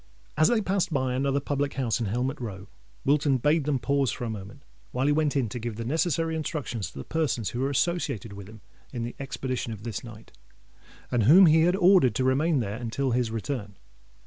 As they passed by another public house in Helmet Row, Wilton bade them pause for a moment, while he went in to give the necessary instructions to the persons who were associated with him in the expedition of this night, and whom he had ordered to remain there until his return.